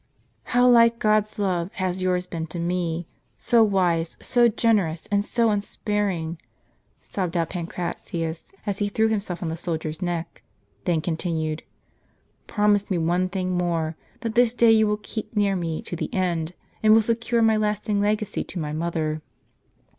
" How like God's love has yours been to me, — so wise, so generous, and so unsparing!" sobbed out Pancratius, as he threw himself on the soldier's neck ; then continued :" Prom ise me one thing more : that this day you will keep near me to the end, and will secure my last legacy to my mother."